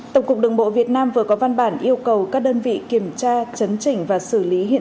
tổng cục đường bộ việt nam vừa có văn bản yêu cầu các đơn vị kiểm tra chấn chỉnh và xử lý hiện